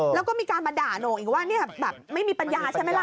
แล้วก็มีการมาด่าโหน่งอีกว่าเนี่ยแบบไม่มีปัญญาใช่ไหมล่ะ